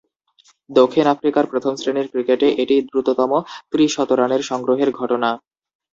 দক্ষিণ আফ্রিকার প্রথম-শ্রেণীর ক্রিকেটে এটিই দ্রুততম ত্রি-শতরানের সংগ্রহের ঘটনা।